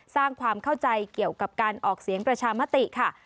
สร้างความเข้าใจเกี่ยวกับการออกเสียงประชามติค่ะ